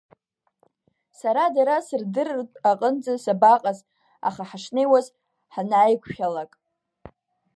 Сара дара сырдырыртә аҟынӡа сабаҟаз, аха ҳашнеиуаз ҳанааиқәшәалак…